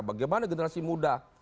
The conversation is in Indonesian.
bagaimana generasi muda